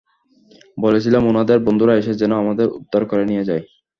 বলছিলাম, উনাদের বন্ধুরা এসে যেন আমাদের উদ্ধার করে নিয়ে যায়।